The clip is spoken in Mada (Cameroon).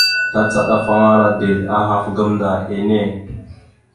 Tacaɗafaŋara dezl ahaf gamənda enne.